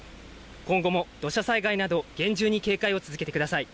今後も土砂災害など厳重に警戒を続けてください。